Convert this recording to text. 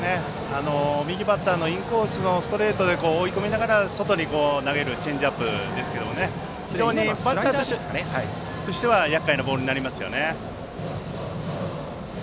右バッターのインコースのストレートで追い込みながら外に投げるチェンジアップですが非常にバッターとしてはやっかいなボールになりますね。